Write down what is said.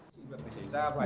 chính quyền xảy ra phải do đó